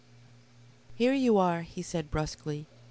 "Here you are," he said brusquely.